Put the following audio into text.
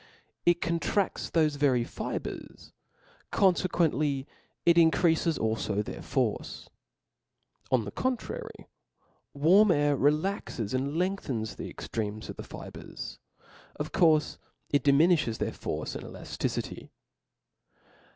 It^contradsf thofe very fibres ; confequently it increafes alfo their force. On the contrary a warm air relaxes and lengthens the extremes of the fibres •, of courfe it diminilhes their force and clafticity.